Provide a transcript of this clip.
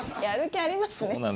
やる気ありますね。